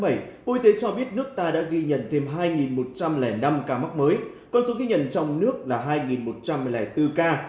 bộ y tế cho biết nước ta đã ghi nhận thêm hai một trăm linh năm ca mắc mới con số ghi nhận trong nước là hai một trăm linh bốn ca